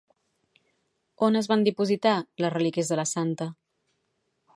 On es van dipositar les relíquies de la santa?